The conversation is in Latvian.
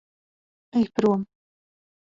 Ej prom.